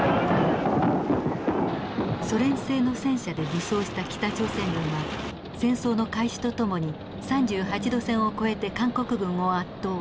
ソ連製の戦車で武装した北朝鮮軍は戦争の開始とともに３８度線を越えて韓国軍を圧倒。